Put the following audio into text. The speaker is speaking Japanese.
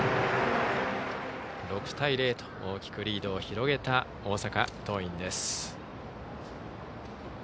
６対０と、大きくリードを広げた大阪桐蔭です。